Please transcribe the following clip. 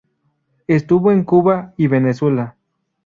Estuvo en Cuba y Venezuela.